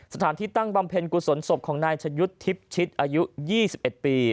สถานที่ตั้งบำเพ็ญกุศลศพของนายชะยุทธ์ทิพย์ชิดอายุ๒๑ปี